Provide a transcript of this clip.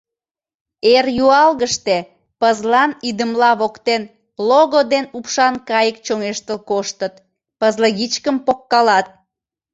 Эр юалгыште пызлан идымла воктен лого ден упшан кайык чоҥештыл коштыт, пызлыгичкым погкалат.